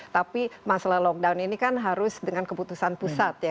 tapi masalah lockdown ini kan harus dengan keputusan pusat ya